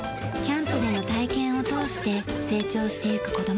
キャンプでの体験を通して成長していく子供たち。